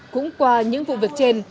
cũng qua những vụ việc trên